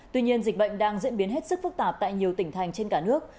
tuy nhiên dịch bệnh đang diễn biến hết sức phức tạp tại nhiều tỉnh thành trên cả nước